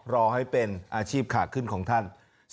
รอให้เป็นอาชีพขาขึ้นของท่าน